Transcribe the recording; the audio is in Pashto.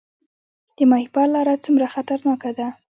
د ماهیپر لاره څومره خطرناکه ده؟